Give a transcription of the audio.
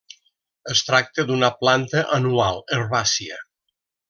Es tracta d'una planta anual, herbàcia.